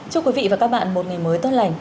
chúc quý vị và các bạn một ngày mới tốt lành